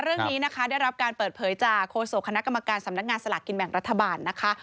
เรื่องนี้นะคะได้รับการเปิดเผยจากโฆษกคณะกรรมการสำนักงานสลากกินแบ่งรัฐบาลนะคะ